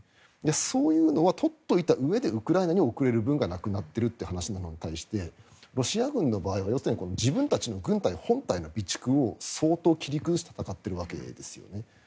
そういうのは取っておいたうえでウクライナに送れる分がなくなっているという話でロシア軍の場合は自分たち軍隊の備蓄を相当切り崩して戦っているわけですね。